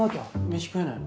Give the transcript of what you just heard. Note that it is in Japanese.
飯食えないの？